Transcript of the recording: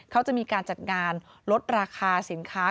เขาจะมีการจัดงานลดราคาสินค้า